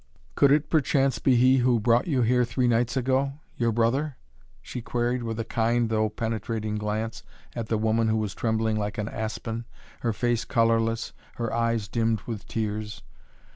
"Could it perchance be he who brought you here three nights ago your brother?" she queried with a kind, though penetrating glance at the woman who was trembling like an aspen, her face colorless, her eyes dimmed with tears.